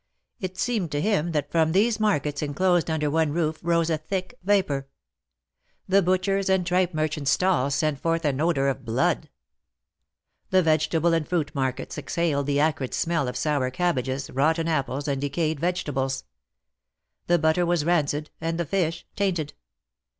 It seemed to him that from these markets enclosed under one roof, rose a thick vapor. The butchers' and tripe merchants' stalls sent forth an odor of blood. The vegetable and fruit markets exhaled the acrid smell of sour cabbages, rotten apples and decayed vege tables. The butter was rancid, and the fish tainted.